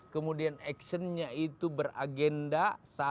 kemudian action nya itu beragenda